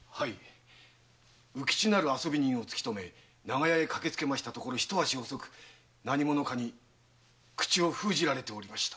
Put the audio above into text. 卯吉なる遊び人を突きとめ長屋へ駆けつけましたところひと足遅く何者かに口を封じられておりました。